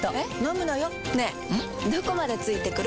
どこまで付いてくる？